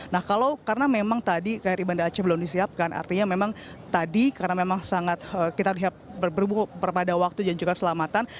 nah kalau karena memang tadi kri banda aceh belum disiapkan artinya memang tadi karena memang sangat kita lihat berbungku pada waktu dan juga selamatan